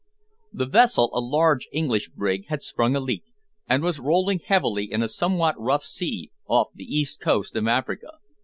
The vessel, a large English brig, had sprung a leak, and was rolling heavily in a somewhat rough sea off the east coast of Africa.